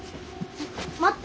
待って。